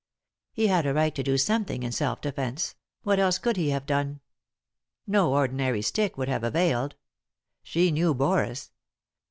He had a right to do something in self defence ; what else could he have done ? No ordinary stick would have availed. She knew Boris.